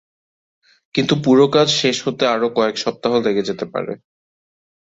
কিন্তু পুরো কাজ শেষ হতে আরও কয়েক সপ্তাহ লেগে যেতে পারে।